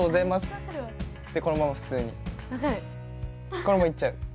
このまま行っちゃう。